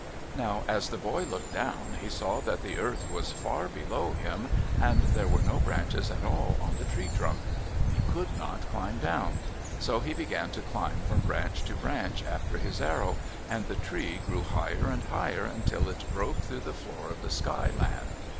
Now as the boy looked down, he saw that the earth was far below him, and there were no branches at all on the tree trunk. He could not climb down, so he began to climb from branch to branch after his arrow, and the tree grew higher and higher until it broke through the floor of the Sky Land.